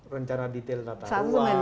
rencana detail data uang